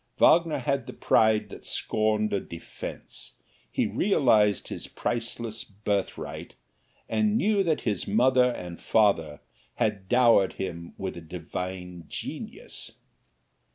Wagner had the pride that scorned a defense he realized his priceless birthright, and knew that his mother and father had dowered him with a divine genius.